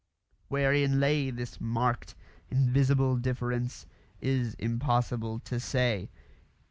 Wherein lay this marked, invisible difference is impossible to say.